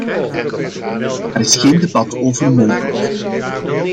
Daar is geen debat over mogelijk.